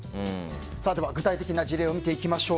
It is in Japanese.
では、具体的な事例を見ていきましょう。